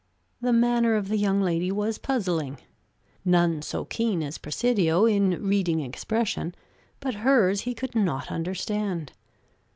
The manner of the young lady was puzzling. None so keen as Presidio in reading expression, but hers he could not understand.